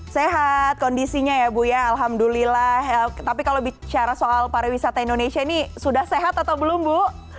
sehat kondisinya ya bu ya alhamdulillah tapi kalau bicara soal pariwisata indonesia ini sudah sehat atau belum bu